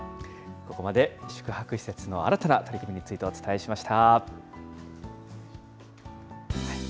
ここまで宿泊施設の新たな取り組みについてお伝えしました。